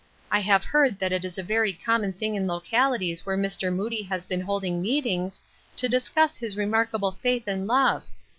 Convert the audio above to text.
I have heard that it is a very common thing in locahties where Mr. Moody haa been holding meetings, to discuss his remarkable faith and love.